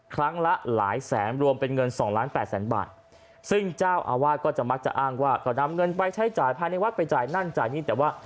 ครั้งละหลายแสนรวมเป็นเงินสองล้านแปดแสนบาทซึ่งเจ้าอาวาสก็จะมักจะอ้างว่าก็นำเงินไปใช้จ่ายภายในวัดไปจ่ายนั่นจ่ายนี่แต่ว่า